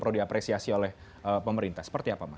perlu diapresiasi oleh pemerintah seperti apa mas